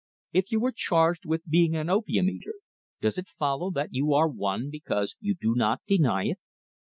"If you were charged with being an opium eater, does it follow that you are one because you do not deny it?